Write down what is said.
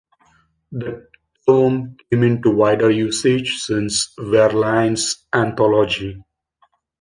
The term came into wider usage since Verlaine's anthology.